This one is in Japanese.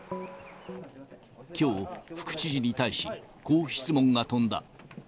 きょう、副知事に対し、こう質問が飛んだ。